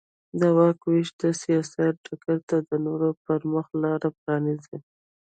د واک وېش د سیاست ډګر ته د نورو پرمخ لار پرانېزي.